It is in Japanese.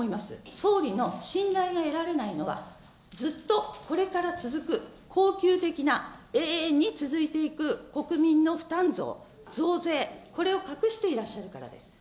総理の信頼が得られないのは、ずっとこれから続く、恒久的な永遠に続いていく国民の負担増、増税、これを隠していらっしゃるからです。